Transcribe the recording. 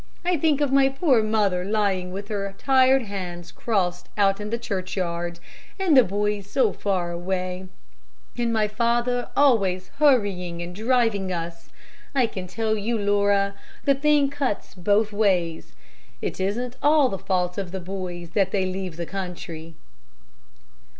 I think of my poor mother lying with her tired hands crossed out in the churchyard, and the boys so far away, and my father always hurrying and driving us I can tell you, Laura, the thing cuts both ways. It isn't all the fault of the boys that they leave the country."